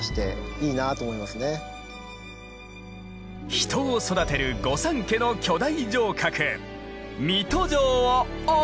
人を育てる御三家の巨大城郭水戸城をおすすめ！